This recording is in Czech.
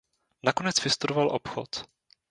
Nakonec vystudoval obchod.